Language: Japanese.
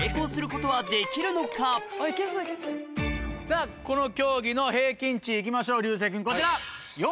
さぁこの競技の平均値行きましょう流星君こちら。